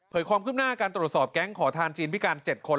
ความคืบหน้าการตรวจสอบแก๊งขอทานจีนพิการ๗คน